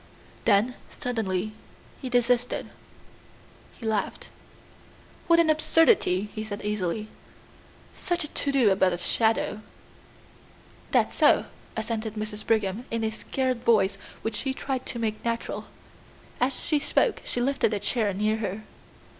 Then suddenly he desisted. He laughed. "What an absurdity," he said easily. "Such a to do about a shadow." "That's so," assented Mrs. Brigham, in a scared voice which she tried to make natural. As she spoke she lifted a chair near her.